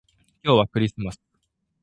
今日はクリスマス